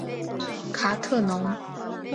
卡特农。